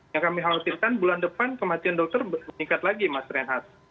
yang kami khawatirkan bulan depan kematian dokter meningkat lagi mas renhat